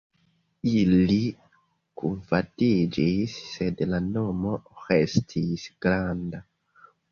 Ili kunfandiĝis, sed la nomo restis "Granda".